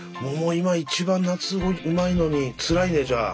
今一番夏うまいのにつらいねじゃあ。